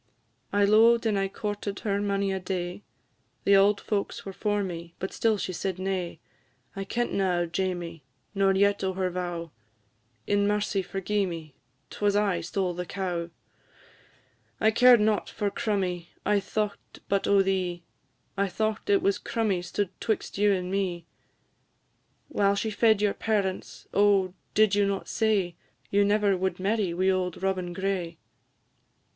"I lo'ed and I courted her mony a day, The auld folks were for me, but still she said nay; I kentna o' Jamie, nor yet o' her vow; In mercy forgi'e me, 'twas I stole the cow! "I cared not for crummie, I thought but o' thee; I thought it was crummie stood 'twixt you and me; While she fed your parents, oh! did you not say, You never would marry wi' auld Robin Gray?